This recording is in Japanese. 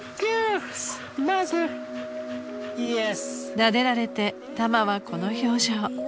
［なでられてタマはこの表情］